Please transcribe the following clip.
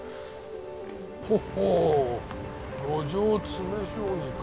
ほほう路上詰将棋か。